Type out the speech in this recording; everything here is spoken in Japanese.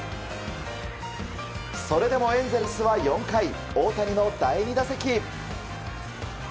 それでもエンゼルスは４回大谷の第２打席。